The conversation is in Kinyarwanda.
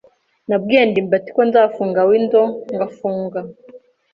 Nabwiye ndimbati ko nzafunga Windows ngafunga.